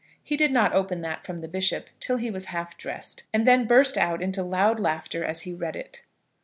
He did not open that from the bishop till he was half dressed, and then burst out into loud laughter as he read it.